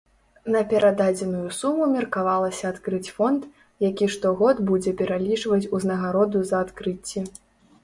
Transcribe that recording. На перададзеную суму меркавалася адкрыць фонд, які штогод будзе пералічваць узнагароду за адкрыцці.